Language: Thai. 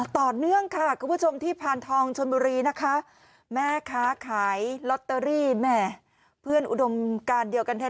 ต่อเนื่องค่ะคุณผู้ชมที่พานทองชนบุรีนะคะแม่ค้าขายลอตเตอรี่แหมเพื่อนอุดมการเดียวกันแท้